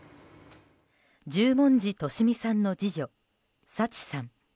十文字利美さんの次女抄知さん。